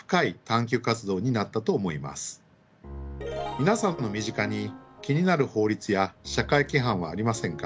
皆さんの身近に気になる法律や社会規範はありませんか？